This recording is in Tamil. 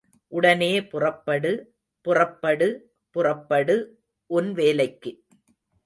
உடனே புறப்படு, புறப்படு, புறப்படு உன் வேலைக்கு.